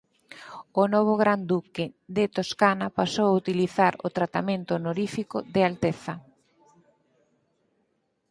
O novo Gran Duque de Toscana pasou a utilizar o tratamento honorífico de "alteza".